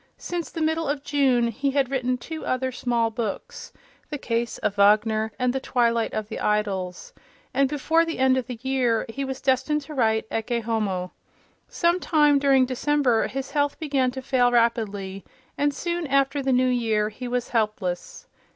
Since the middle of June he had written two other small books, "The Case of Wagner" and "The Twilight of the Idols," and before the end of the year he was destined to write "Ecce Homo." Some time during December his health began to fail rapidly, and soon after the New Year he was helpless.